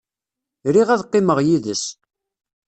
Riɣ ad qqimeɣ yid-s.